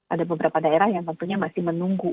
ada beberapa daerah yang tentunya masih menunggu